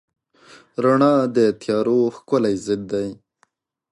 رڼا د تیارو ښکلی ضد دی.